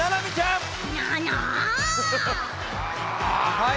「はい！」